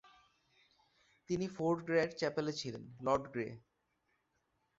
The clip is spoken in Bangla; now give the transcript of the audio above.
তিনি ফোর্ড গ্রের চ্যাপেলে ছিলেন, লর্ড গ্রে।